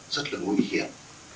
rất là nguy hiểm